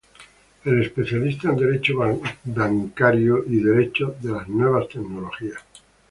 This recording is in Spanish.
Es especialista en Derecho bancario y Derecho de las nuevas tecnologías.